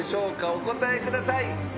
お答えください。